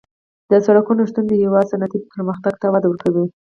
د سرکونو شتون د هېواد صنعتي پرمختګ ته وده ورکوي